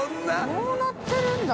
どうなってるんだ？